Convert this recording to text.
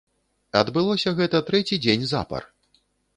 Адбылося гэта трэці дзень запар.